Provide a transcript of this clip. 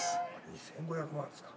２５００万円ですか？